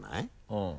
うん。